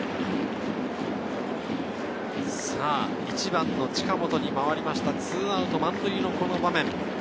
１番の近本に回りました、２アウト満塁の場面。